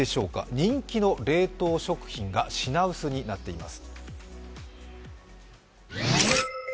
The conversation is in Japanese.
人気の冷凍食品が品薄になっています。